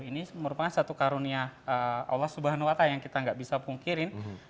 ini merupakan satu karunia allah swt yang kita nggak bisa pungkirin